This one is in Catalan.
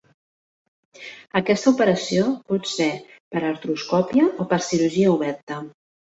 Aquesta operació pot ser per artroscòpia o per cirurgia oberta.